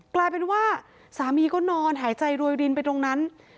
กลายเป็นว่าสามีก็นอนหายใจรวยรินไปตรงนั้น